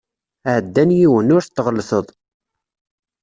Ɛeddan yiwen, ur t-tɣellteḍ.